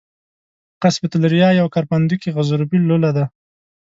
قصبة الریه یوه کرپندوکي غضروفي لوله ده.